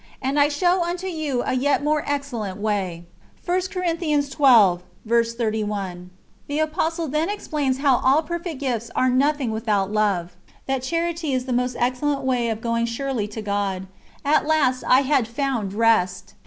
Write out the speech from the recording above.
And I show unto you a yet more excellent way." The Apostle then explains how all perfect gifts are nothing without Love, that Charity is the most excellent way of going surely to God. At last I had found rest.